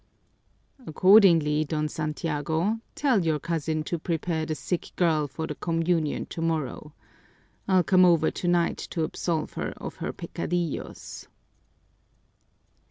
"Accordingly, Don Santiago, tell your cousin to prepare the sick girl for the communion tomorrow. I'll come over tonight to absolve her of her peccadillos."